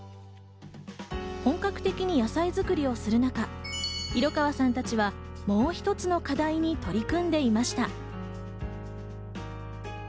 本格的に野菜作りをする中、色川さんたちは、もう一つの課題に取り組んでいました。